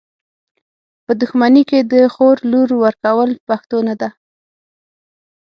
په دښمني کي د خور لور ورکول پښتو نده .